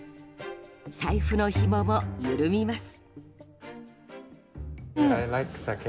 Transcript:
財布のひもも緩みます。